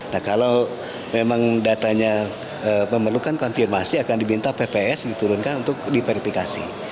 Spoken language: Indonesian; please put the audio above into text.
nah kalau memang datanya memerlukan konfirmasi akan diminta pps diturunkan untuk diverifikasi